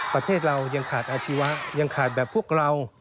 ประเทศเรายังขาดอาชีวะยังขาดแบบพวกเรา